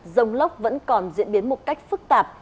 rông lốc vẫn còn diễn biến một cách phức tạp